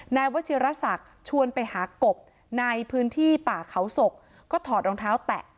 นายวัชิรศักดิ์ชวนไปหากบในพื้นที่ป่าเขาศกก็ถอดรองเท้าแตะ